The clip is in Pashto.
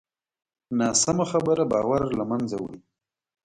ناسمه خبره باور له منځه وړي